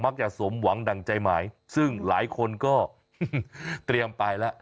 จะสมหวังดั่งใจหมายซึ่งหลายคนก็เตรียมไปแล้ว